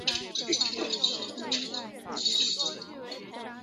王文华就读台大外文系时受教于王文兴教授。